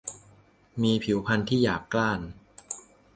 มีผิวพรรณที่หยาบกร้าน